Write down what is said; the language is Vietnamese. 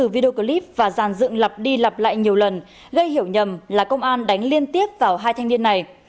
video clip và giàn dựng lặp đi lặp lại nhiều lần gây hiểu nhầm là công an đánh liên tiếp vào hai thanh niên này